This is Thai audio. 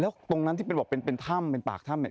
แล้วตรงนั้นที่บอกเป็นถ้ำเป็นปากถ้ำ